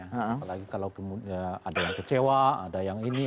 apalagi kalau ada yang kecewa ada yang ini